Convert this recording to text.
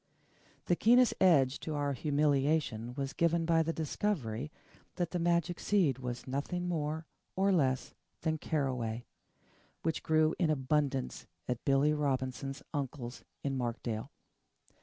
The keenest edge to our humiliation was given by the discovery that the magic seed was nothing more or less than caraway, which grew in abundance at Billy Robinson's uncle's in Markdale.